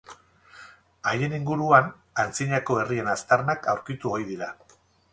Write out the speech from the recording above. Haien inguruan antzinako herrien aztarnak aurkitu ohi dira.